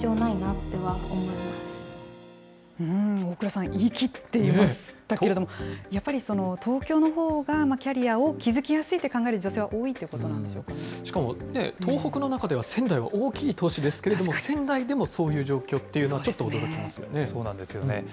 大蔵さん、言い切っていましたけれども、やっぱり、東京のほうがキャリアを築きやすいと考える女性は多いということしかもね、東北の中では仙台は大きい都市ですけれども、仙台でもそういう状況というのは、ちょっと驚きましたよね。